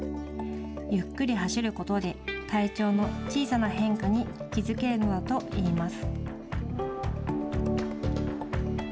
ゆっくり走ることで体調の小さな変化に気付けるのだといいます。